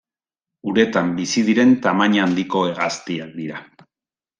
Uretan bizi diren tamaina handiko hegaztiak dira.